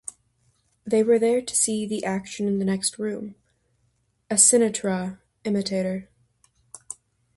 They were there to see the act in the next room, a Sinatra imitator.